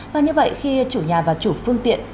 và như vậy khi chủ nhà và chủ phương tiện